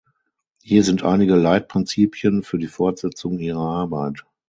Hier sind einige Leitprinzipien für die Fortsetzung Ihrer Arbeit.